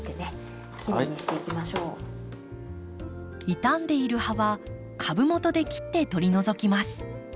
傷んでいる葉は株もとで切って取り除きます。